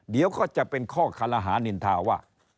เดี๋ยวก็จะเป็นข้อคารหานินทาว่า